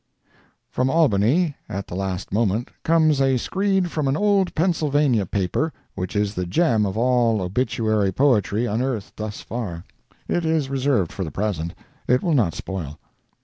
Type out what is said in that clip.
From Albany, at the last moment, comes a screed from an old Pennsylvania paper, which is the gem of all obituary poetry unearthed thus far. It is reserved for the present—it will not spoil.